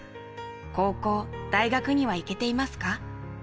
高校、大学には行けていますか？